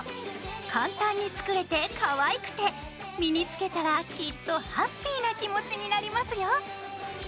簡単に作れてかわいくて身に着けたらきっとハッピーな気持ちになりますよ！